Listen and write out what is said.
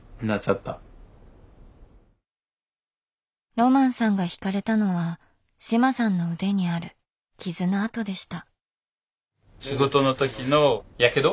ロマンさんが惹かれたのは志麻さんの腕にある傷の痕でした。